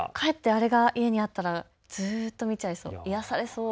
帰ってあれが家にあったらずっと見ちゃいそう。